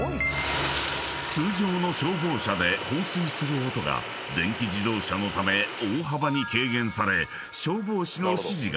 ［通常の消防車で放水する音が電気自動車のため大幅に軽減され］